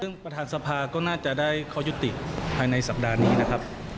ซึ่งประธานสภาก็น่าจะได้ข้อยุติภายในสัปดาห์นี้นะครับ